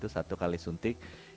satu kali suntik